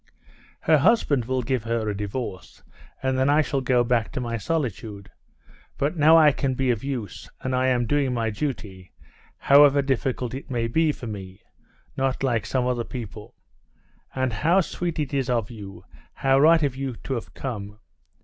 "Her husband will give her a divorce, and then I shall go back to my solitude; but now I can be of use, and I am doing my duty, however difficult it may be for me—not like some other people. And how sweet it is of you, how right of you to have come!